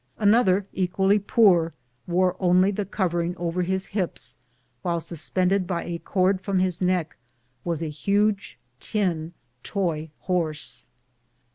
Another, equally poor, wore only the covering over his hips, while suspended by a cord from his neck was a huge tin toy horse.